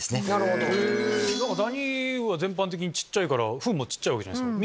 ダニは全般的に小さいからフンも小さいわけじゃないですか。